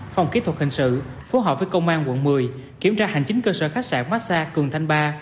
phòng kỹ thuật hình sự phối hợp với công an quận một mươi kiểm tra hành chính cơ sở khách sạn massag cường thanh ba